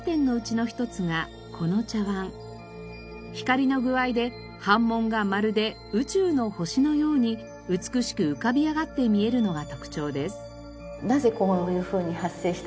光の具合で斑紋がまるで宇宙の星のように美しく浮かび上がって見えるのが特徴です。